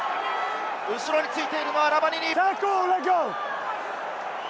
後ろについているのはラバニニ。